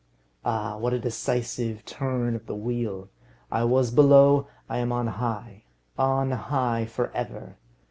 Ah, what a decisive turn of the wheel! I was below, I am on high on high for ever!